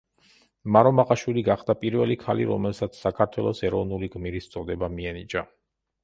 მარო მაყაშვილი გახდა პირველი ქალი, რომელსაც საქართველოს ეროვნული გმირის წოდება მიენიჭა.